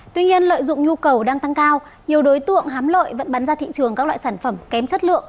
tuy nhiên lợi dụng nhu cầu đang tăng cao nhiều đối tượng hám lợi vẫn bán ra thị trường các loại sản phẩm kém chất lượng